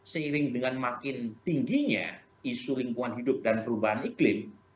seiring dengan makin tingginya isu lingkungan hidup dan perubahan iklim